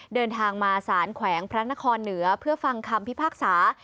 เดินทางมาสารแขวงพระนครเหนือเพื่อฟังคำพิพากษา